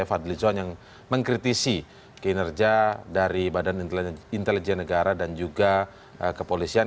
fadlizon yang mengkritisi kinerja dari badan intelijen negara dan juga kepolisian